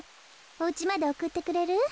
おうちまでおくってくれる？